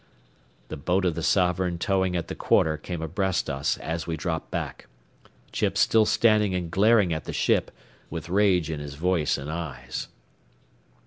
The boat of the Sovereign towing at the quarter came abreast us as we dropped back. Chips still standing and glaring at the ship, with rage in his voice and eyes.